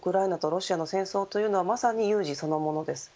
現在のウクライナとロシアの戦争というのは、まさに有事そのものです。